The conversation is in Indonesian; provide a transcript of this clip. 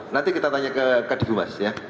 nanti kita tanya ke adi bumas ya